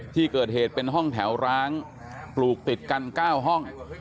ที่เกิดเหตุเป็นห้องแถวร้างปลูกติดกัน๙ห้อง